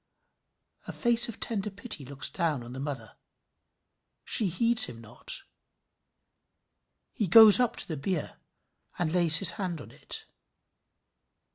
A face of tender pity looks down on the mother. She heeds him not. He goes up to the bier, and lays his hand on it.